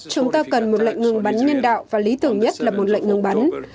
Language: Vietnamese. chúng ta cần một lệnh ngừng bắn nhân đạo và lý tưởng nhất là một lệnh ngừng bắn